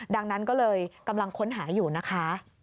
ดังนั้นก็เลยกำลังค้นหาอยู่นะคะ